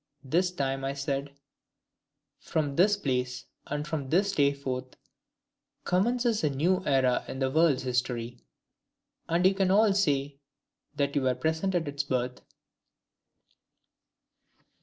This time I said: 'FROM THIS PLACE, AND FROM THIS DAY FORTH, COMMENCES A NEW ERA IN THE WORLD'S HISTORY, AND YOU CAN ALL SAY THAT YOU WERE PRESENT AT ITS BIRTH.'"